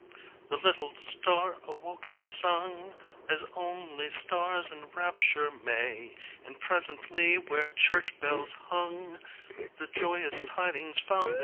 The little star awoke and sung As only stars in rapture may, And presently where church bells hung The joyous tidings found their way.